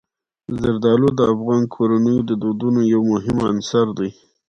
زردالو د افغان کورنیو د دودونو یو مهم عنصر دی.